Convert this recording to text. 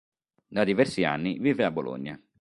Da diversi anni vive a Bologna.